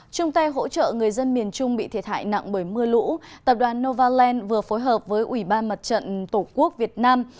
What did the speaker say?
trung tay hỗ trợ người dân miền trung bị thiệt hại nặng bởi mưa lũ tập đoàn novaland vừa phối hợp với ủy ban mặt trận tổ quốc việt nam